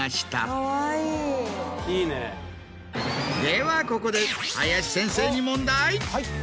ではここで林先生に問題。